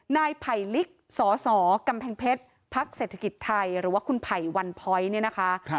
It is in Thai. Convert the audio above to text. นายไผ่ลิกสสกำแพงเพชรพักเศรษฐกิจไทยหรือว่าคุณไผ่วันพ้อยเนี่ยนะคะ